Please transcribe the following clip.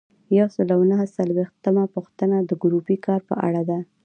یو سل او نهه څلویښتمه پوښتنه د ګروپي کار په اړه ده.